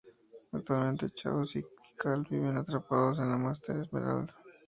Actualmente Chaos y Tikal viven atrapados en la Master Emerald.